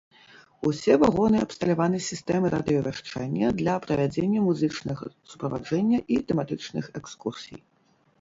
Усе вагоны абсталяваны сістэмай радыёвяшчання для правядзення музычнага суправаджэння і тэматычных экскурсій.